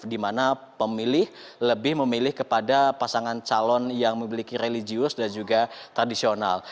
di mana pemilih lebih memilih kepada pasangan calon yang memiliki religius dan juga tradisional